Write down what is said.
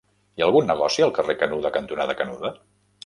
Hi ha algun negoci al carrer Canuda cantonada Canuda?